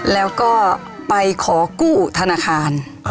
แล้วก็ไปขอกู้ธนาคาร